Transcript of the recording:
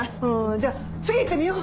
じゃあ次いってみよう。